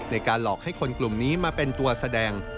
ในการหลอกให้คนกลุ่มนี้มาเป็นตัวแสดง